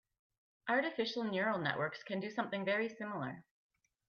Artificial neural networks can do something very similar.